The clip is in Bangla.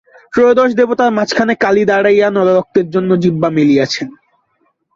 ত্রয়োদশ দেবতার মাঝখানে কালী দাঁড়াইয়া নররক্তের জন্য জিহ্বা মেলিয়াছেন।